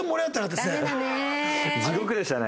地獄でしたね。